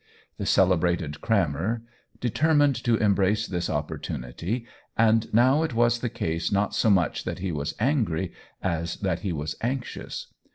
The celebrated crammer determined to embrace this opportunity ; and now it was the case not so much that he was angry as that he was anxious.